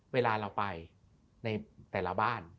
เวลาเราไปในแต่ละบ้าน